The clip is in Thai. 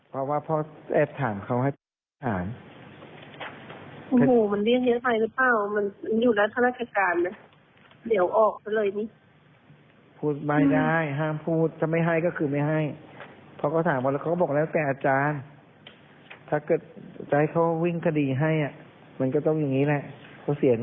รู้สึกรู้สึกว่าเสียเยอะไม่เยอะไปหลายทางเงินจะเหลือเท่าไหร่วะเนี้ย